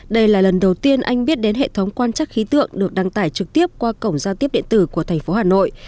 đây là lần đầu tiên anh biết đến hệ thống quan trắc khí tượng được đăng tải trực tiếp qua cổng giao tiếp điện tử của thành phố hà nội